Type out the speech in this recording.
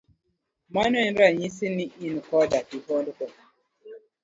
Mano en ranyisi ni in koda kihondko.